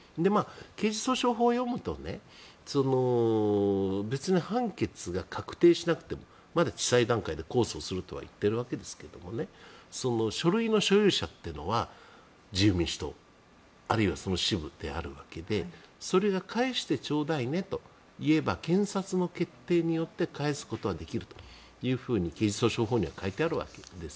刑事訴訟法を読むと別に判決が確定しなくてもまだ地裁段階で控訴をすると言っているわけですけどね書類の所有者というのは自由民主党あるいはその支部であるわけでそれが返してちょうだいねと言えば検察の決定によって返すことはできるというふうに刑事訴訟法には書いてあるわけです。